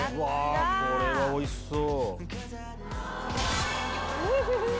これはおいしそう！